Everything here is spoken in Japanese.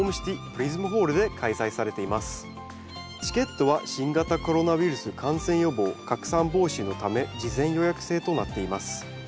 チケットは新型コロナウイルス感染予防拡散防止のため事前予約制となっています。